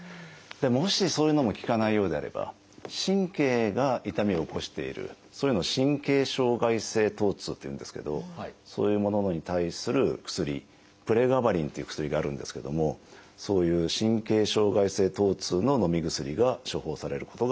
もしそういうのも効かないようであれば神経が痛みを起こしているそういうのを「神経障害性疼痛」っていうんですけどそういうものに対する薬「プレガバリン」っていう薬があるんですけどもそういう神経障害性疼痛ののみ薬が処方されることが多いです。